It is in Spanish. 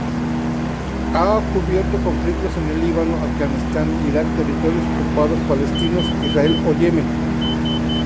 Ha cubierto conflictos en Líbano, Afganistán, Irak, Territorios Ocupados Palestinos, Israel o Yemen.